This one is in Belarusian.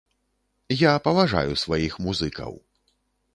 Я паважаю сваіх музыкаў.